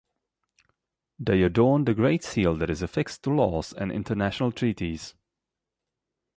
They adorn the great seal that is affixed to laws and international treaties.